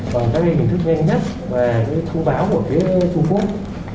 trong các lĩnh thức nhanh nhất về cái thông báo của phía trung quốc